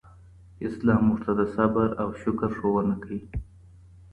اسلام موږ ته د صبر او شکر ښوونه کوي.